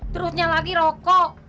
terusnya lagi rokok